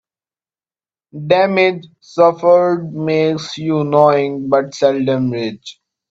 Damage suffered makes you knowing, but seldom rich.